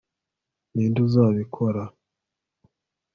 ninde uzabikora